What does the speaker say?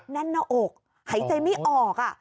นั่นออกหายใจไม่ออก